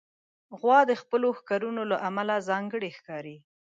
غوا د خپلو ښکرونو له امله ځانګړې ښکاري.